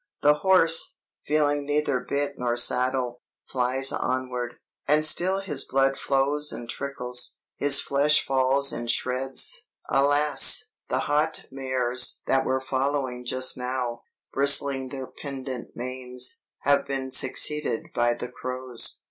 "The horse, feeling neither bit nor saddle, flies onward, and still his blood flows and trickles, his flesh falls in shreds; alas! the hot mares that were following just now, bristling their pendent manes, have been succeeded by the crows!